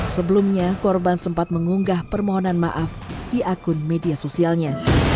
sebelumnya korban sempat mengunggah permohonan maaf di akun media sosialnya